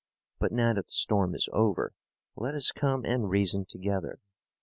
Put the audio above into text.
But now that the storm is over, let us come and reason together.